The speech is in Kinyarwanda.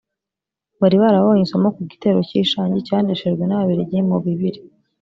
bari barabonye isomo ku gitero cy'i Shangi cyaneshejwe n'Ababiligi mu bibiri